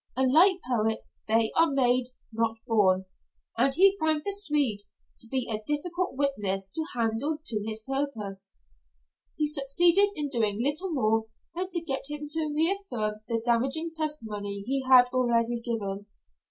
Unlike poets, they are made, not born, and he found the Swede to be a difficult witness to handle to his purpose. He succeeded in doing little more than to get him to reaffirm the damaging testimony he had already given.